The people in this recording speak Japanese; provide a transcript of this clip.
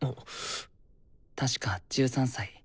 確か１３歳。